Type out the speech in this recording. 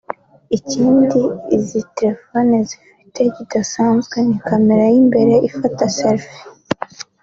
Ikindi izi telefoni zifite kidasanzwe ni camera y’imbere ifata selfie